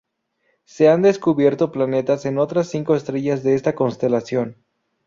Se han descubierto planetas en otras cinco estrellas de esta constelación.